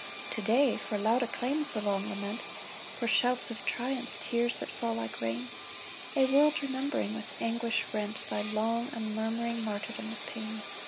To day — for loud acclaims the long lament ; For shouts of triumph, tears that fall like rain ; A world remembering, with anguish rent. Thy long, unmurmuring martyrdom of pain